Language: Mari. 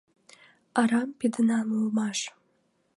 Арам пидынам улмаш.